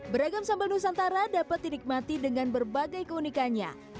beragam sambal nusantara dapat dinikmati dengan berbagai keunikannya